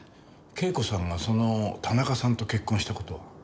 啓子さんがその田中さんと結婚した事は？